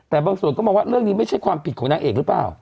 แต่บางส่วนก็มองว่าเรื่องนี้ไม่ใช่ความผิดของนางเอกหรือเปล่า